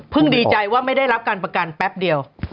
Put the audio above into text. ดีใจว่าไม่ได้รับการประกันแป๊บเดียว